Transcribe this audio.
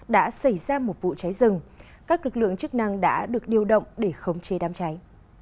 đã xảy ra một vụ cháy rừng các lực lượng chức năng đã được điều động để khống chế đám cháy